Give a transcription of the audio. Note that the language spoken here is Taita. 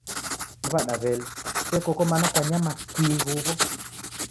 Ni wada wele, se koko mana kwanyama kii huwo?